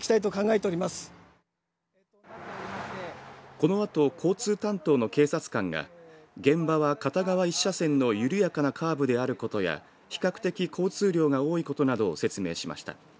このあと、交通担当の警察官が現場は片側１車線の緩やかなカーブであることや比較的交通量が多いことなどを説明しました。